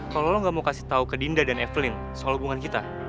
kalo lo gak mau kasih tau ke dinda dan evelyn soal hubungan kita